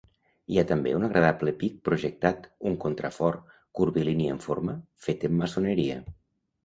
Hi ha també un agradable pic projectat, un contrafort, curvilini en forma, fet en maçoneria.